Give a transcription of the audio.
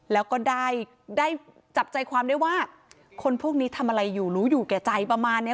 แล้วก็ได้จับใจความได้ว่าคนพวกนี้ทำอะไรอยู่รู้อยู่แก่ใจประมาณเนี้ย